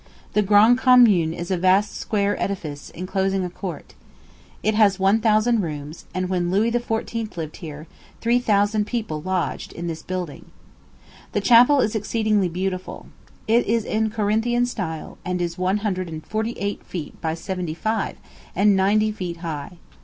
The Grand Commun is a vast square edifice, enclosing a court. It has one thousand rooms; and when Louis XIV. lived here, three thousand people lodged: in this building. The chapel is exceedingly beautiful. It is in Corinthian style, and is one hundred and forty eight feet by seventy five, and ninety feet high.